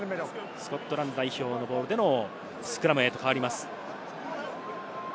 スコットランド代表ボールでのスクラムへと変わります。